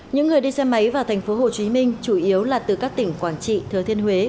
những người đi xe máy vào tp hcm chủ yếu là từ các tỉnh quảng trị thừa thiên huế